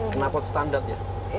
kena pot standar ya